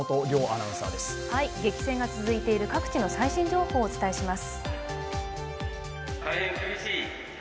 激戦が続いている各地の最新情報をお伝えします。